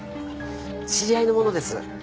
知り合いの者です